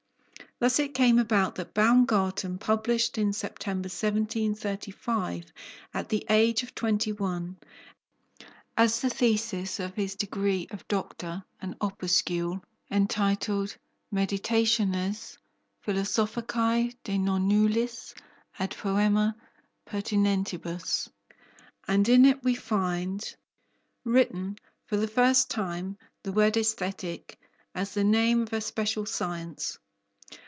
Thus it came about that Baumgarten published in September 1735, at the age of twenty one, as the thesis for his degree of Doctor, an opuscule entitled, Meditationes philosophicae de nonnullis ad poèma pertinentibus, and in it we find written for the first time the word "Aesthetic," as the name of a special science.